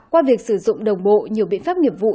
qua việc sử dụng đồng bộ nhiều biện pháp nghiệp vụ